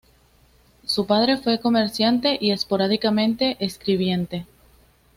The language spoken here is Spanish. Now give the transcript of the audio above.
Su padre fue comerciante y esporádicamente escribiente.